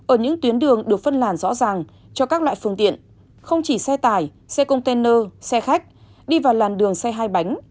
ở những tuyến đường được phân làn rõ ràng cho các loại phương tiện không chỉ xe tải xe container xe khách đi vào làn đường xe hai bánh